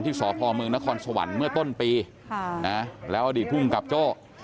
ที่สพมนครสวรรค์เมื่อต้นปีแล้วอดีตผู้มกับโจ้